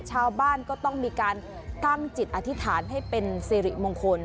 ชาวบ้านก็ต้องมีการตั้งจิตอธิษฐานให้เป็นสิริมงคล